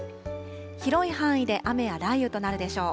広い範囲で雨や雷雨となるでしょう。